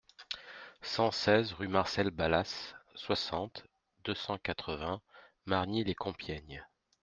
cent seize rue Marcel Balasse, soixante, deux cent quatre-vingts, Margny-lès-Compiègne